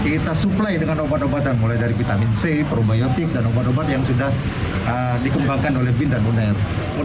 kita suplai dengan obat obatan mulai dari vitamin c probiotik dan obat obat yang sudah dikembangkan oleh bin dan uner